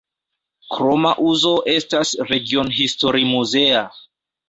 Kroma uzo estas regionhistorimuzea.